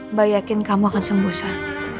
mbak yakin kamu akan sembuh zah